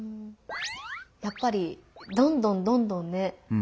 やっぱりどんどんどんどんね